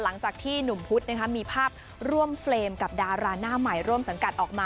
หลังจากที่หนุ่มพุธมีภาพร่วมเฟรมกับดาราหน้าใหม่ร่วมสังกัดออกมา